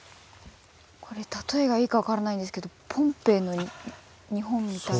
これ例えがいいか分からないんですけどポンペイの日本みたいな。